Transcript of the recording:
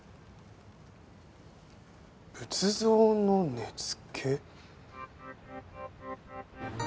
仏像の根付？